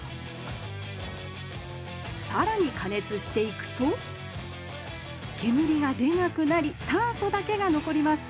さらにかねつしていくと煙がでなくなり炭素だけがのこります。